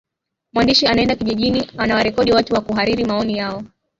mwandishi anaenda kijijini anawarekodi watu na kuhariri maoni yao